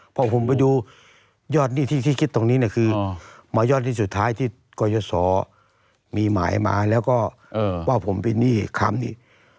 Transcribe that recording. พอผมไปดูยอดหนี้ที่คิดตรงนี้เนี่ยคือมายอดหนี้สุดท้ายที่กรยศมีหมายมาแล้วก็ว่าผมเป็นหนี้ค้ำนี่